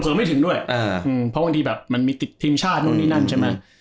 ไม่ถึงด้วยเพราะบางทีแบบมันมีติดทีมชาตินู่นนี่นั่นใช่ไหม